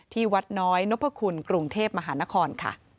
ที่วัดน้อยณพคุณกรุงเทพมหานคร